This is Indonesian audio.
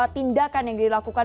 tindakan yang dilakukan